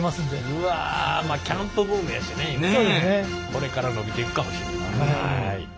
これから伸びていくかもしれんね。